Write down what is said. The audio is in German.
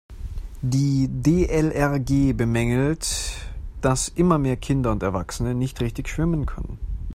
Die DLRG bemängelt, dass immer mehr Kinder und Erwachsene nicht richtig schwimmen können.